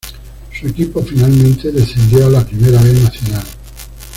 Su equipo finalmente descendió a la Primera B Nacional.